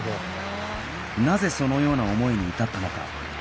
なぜそのような思いに至ったのか？